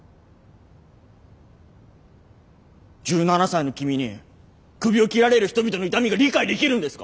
１７才の君にクビを切られる人々の痛みが理解できるんですか！